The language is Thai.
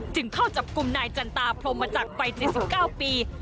จึงเข้าจับกลุ่มนายจันตาพรมมาจากวัยเจสสิบเก้าปี